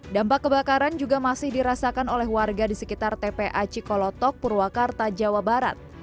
dampak kebakaran juga masih dirasakan oleh warga di sekitar tpa cikolotok purwakarta jawa barat